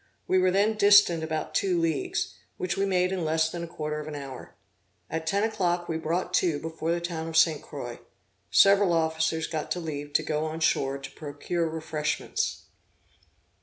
We were then distant about two leagues, which we made in less than a quarter of an hour. At ten o'clock we brought to before the town of St. Croix. Several officers got leave to go on shore to procure refreshments.